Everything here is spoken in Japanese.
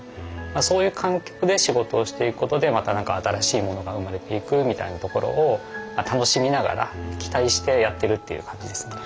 そういう環境で仕事をしていくことでまた何か新しいものが生まれていくみたいなところを楽しみながら期待してやってるっていう感じですね。